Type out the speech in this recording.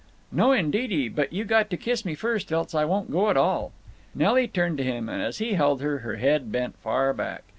"No, indeedy. But you got to kiss me first, else I won't go at all." Nelly turned to him and, as he held her, her head bent far back.